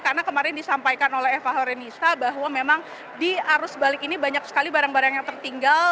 karena kemarin disampaikan oleh eva horenisa bahwa memang di arus balik ini banyak sekali barang barang yang tertinggal